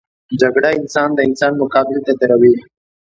جګړه انسان د انسان مقابل ته دروي